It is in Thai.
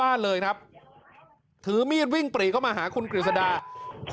นั่นแหละครับ